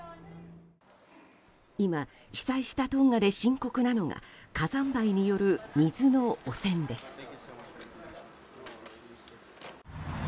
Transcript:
今、被災したトンガで深刻なのが火山灰による水の汚染です。